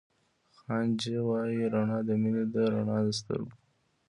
خانج وائي رڼا َد مينې ده رڼا َد سترګو